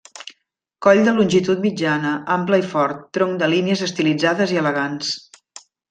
Coll de longitud mitjana, ample i fort, tronc de línies estilitzades i elegants.